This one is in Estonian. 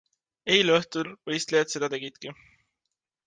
Eile õhtul võistlejad seda tegidki.